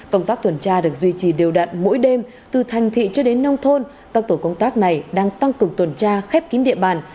công tác tuần tra được duy trì đều đặn mỗi đêm từ thành thị cho đến nông thôn các tổ công tác này đang tăng cường tuần tra khép kín địa bàn